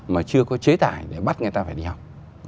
mà chưa có chế tải để bắt người ta phải đi học